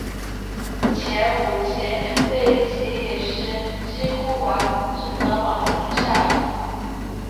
前五节背椎也是几乎完整地保存下来。